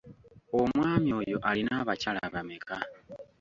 Omwami oyo alina abakyala bameka?